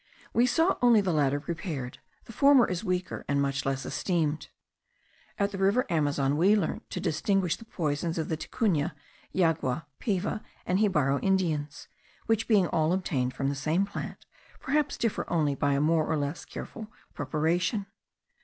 We saw only the latter prepared; the former is weaker, and much less esteemed. At the river Amazon we learned to distinguish the poisons of the Ticuna, Yagua, Peva, and Xibaro Indians, which being all obtained from the same plant, perhaps differ only by a more or less careful preparation.